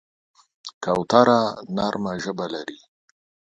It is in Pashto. کوتره نرمه ژبه لري.